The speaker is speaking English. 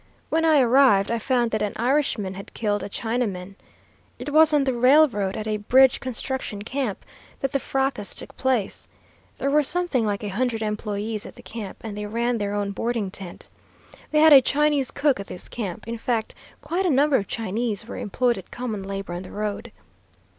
When I arrived I found that an Irishman had killed a Chinaman. It was on the railroad, at a bridge construction camp, that the fracas took place. There were something like a hundred employees at the camp, and they ran their own boarding tent. They had a Chinese cook at this camp; in fact, quite a number of Chinese were employed at common labor on the road.